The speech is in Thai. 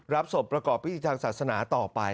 รับศพประกอบพิจารณ์ศาสนาต่อไป